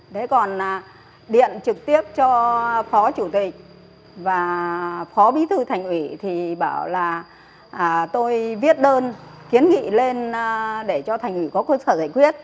thế còn điện trực tiếp cho phó chủ tịch và phó bí thư thành ủy thì bảo là tôi viết đơn kiến nghị lên để cho thành ủy có cơ sở giải quyết